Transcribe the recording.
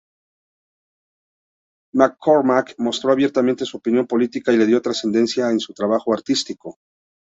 McCormack mostró abiertamente su opinión política y le dio transcendencia en su trabajo artístico.